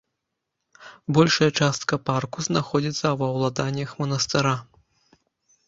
Большая частка парку знаходзіцца ва ўладаннях манастыра.